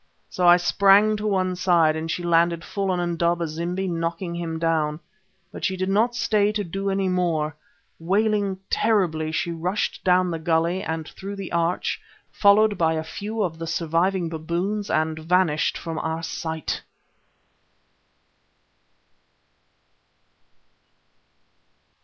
So I sprang to one side, and she landed full on Indaba zimbi, knocking him down. But she did not stay to do any more. Wailing terribly, she rushed down the gulley and through the arch, followed by a few of the surviving baboons, and vanished from our sight.